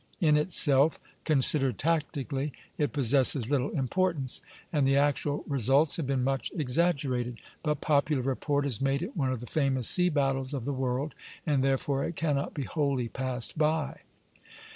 In itself, considered tactically, it possesses little importance, and the actual results have been much exaggerated; but popular report has made it one of the famous sea battles of the world, and therefore it cannot be wholly passed by.